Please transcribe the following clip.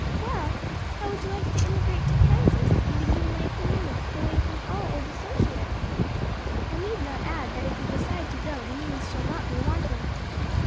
"Well, how would you like to emigrate to Kansas and begin life anew; away from all old associates? I need not add that if you decide to go the means shall not be wanting."